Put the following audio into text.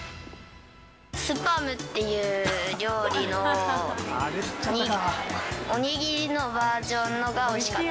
スパムっていう料理のお握りのバージョンのがおいしかった。